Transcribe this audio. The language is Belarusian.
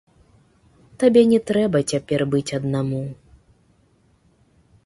Табе не трэба цяпер быць аднаму.